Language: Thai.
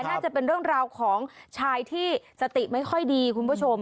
น่าจะเป็นเรื่องราวของชายที่สติไม่ค่อยดีคุณผู้ชม